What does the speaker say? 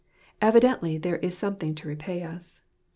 Evidently there is something to repay us.